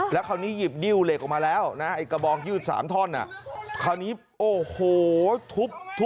แล้วคราวนี้หยิบดิ้วเหล็กออกมาแล้วนะไอ้กระบองยืด๓ท่อนคราวนี้โอ้โหทุบ